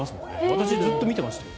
私ずっと見てましたよ。